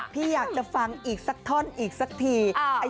พี่อยากจะฟังอีกสักท่อนอีกสักที